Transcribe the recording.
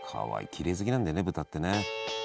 きれい好きなんだよね豚ってね。